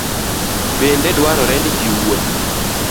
Bende dwarore ni jowuoth